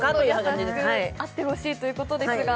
優しくあってほしいということですが。